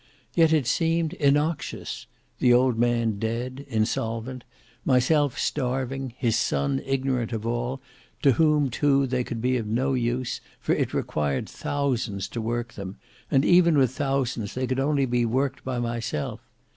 Yet it seemed innoxious! the old man dead—insolvent; myself starving; his son ignorant of all, to whom too they could be of no use, for it required thousands to work them, and even with thousands they could only be worked by myself.